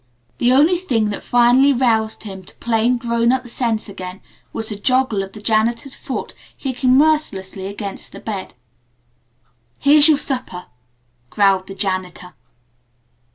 The only thing that finally roused him to plain, grown up sense again was the joggle of the janitor's foot kicking mercilessly against the bed. "Here's your supper," growled the janitor.